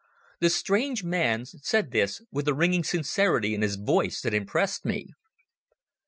The strange man said this with a ringing sincerity in his voice that impressed me.